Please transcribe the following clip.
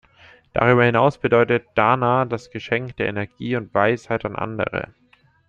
Darüber hinaus bedeutet "dana" das Geschenk der Energie und Weisheit an andere.